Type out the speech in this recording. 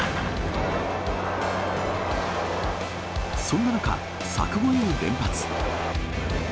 そんな中、柵越えを連発。